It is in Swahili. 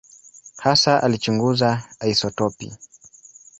Hasa alichunguza isotopi.